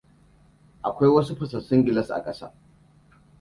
Akwai wasu fasassun gilas a ƙasa.